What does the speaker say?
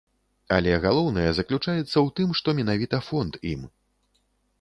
Але галоўнае заключаецца ў тым, што менавіта фонд ім.